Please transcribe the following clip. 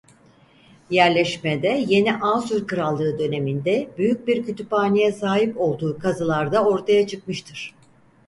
Yerleşmede Yeni Asur Krallığı Dönemi'nde büyük bir kütüphaneye sahip olduğu kazılarda ortaya çıkmıştır.